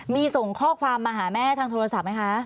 มีส่งข้อความมาหาแม่ทางโทรศัพท์ไหมคะ